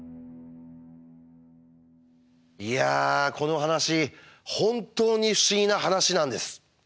いやこの話本当に不思議な話なんです。